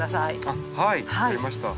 あっはい分かりました。